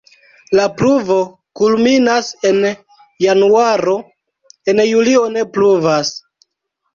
La pluvo kulminas en januaro, en julio ne pluvas.